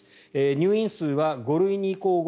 入院数は５類に移行後